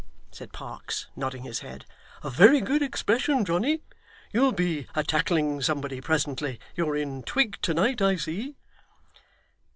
said Parkes, nodding his head. 'A very good expression, Johnny. You'll be a tackling somebody presently. You're in twig to night, I see.